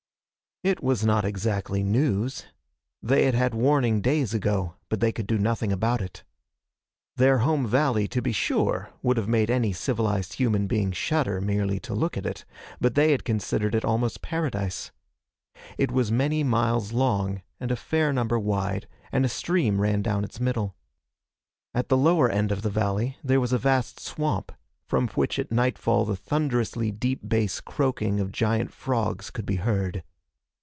It was not exactly news. They had had warning days ago, but they could do nothing about it. Their home valley, to be sure, would have made any civilized human being shudder merely to look at it, but they had considered it almost paradise. It was many miles long, and a fair number wide, and a stream ran down its middle. At the lower end of the valley there was a vast swamp, from which at nightfall the thunderously deep bass croaking of giant frogs could be heard.